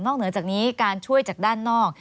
เหนือจากนี้การช่วยจากด้านนอก